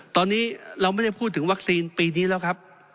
ตอนนี้เราไม่ได้พูดถึงวัคซีนปีนี้แล้วครับ